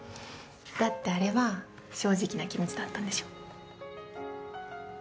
だってあれは正直な気持ちだったんでしょ。